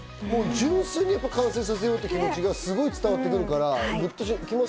純粋に完成させようっていう気持ちが伝わってくるから。